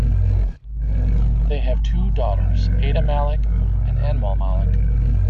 They have two daughters, Ada Malik and Anmol Malik.